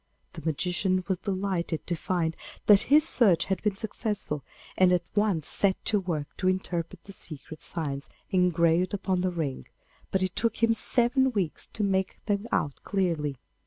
The magician was delighted to find that his search had been successful, and at once set to work to interpret the secret signs engraved upon the ring, but it took him seven weeks to make them out clearly.